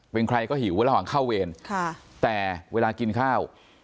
เป็นใครก็หิวระหว่างเข้าเวรแต่เวลากินข้าว